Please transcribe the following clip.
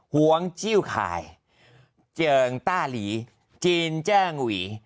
หวงจิ้วข่ายเจิงต้าหลีจีนแจ้งหวี